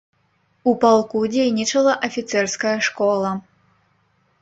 У палку дзейнічала афіцэрская школа.